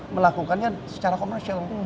melakukannya secara komersial